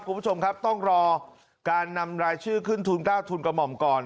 คุณผู้ชมครับต้องรอการนำรายชื่อขึ้นทุน๙ทุนกระหม่อมก่อน